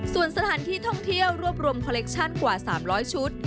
ส่วนสถานที่ท่องเที่ยวรวบรวมคอเล็กชั่นกว่า๓๐๐ชุด